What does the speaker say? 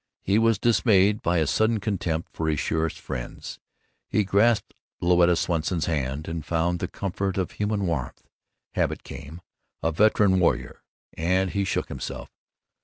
He was dismayed by a sudden contempt for his surest friends. He grasped Louetta Swanson's hand, and found the comfort of human warmth. Habit came, a veteran warrior; and he shook himself.